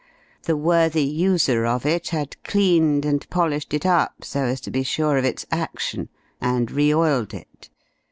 The worthy user of it had cleaned and polished it up, so as to be sure of its action, and re oiled it.